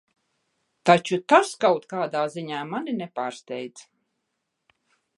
Taču tas kaut kāda ziņā mani nepārsteidz.